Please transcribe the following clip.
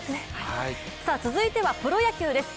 続いてはプロ野球です。